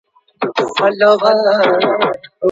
که ستا په زړه کي د بریا شوق نه وي نو ماته خورې.